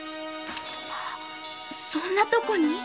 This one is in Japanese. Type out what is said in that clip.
そんなとこに？